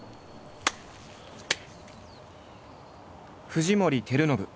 藤森照信。